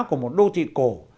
của một đô thị cổ